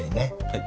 はい。